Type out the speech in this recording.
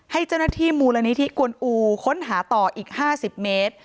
ให้เจ้าหน้าที่มูลนิธิกวนอูค้นหาต่ออีก๕๐เมตร